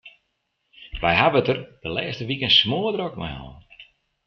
Wy hawwe it der de lêste wiken smoardrok mei hân.